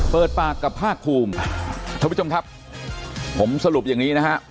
เปิดปากกับภาคภูมิท่านผู้ชมครับผมสรุปอย่างนี้นะฮะ